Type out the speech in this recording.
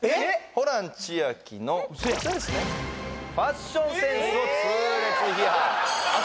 ホラン千秋のファッションセンスを痛烈批判ええっ！